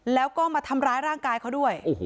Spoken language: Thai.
แล้วก็มาทำร้ายร่างกายเขาด้วย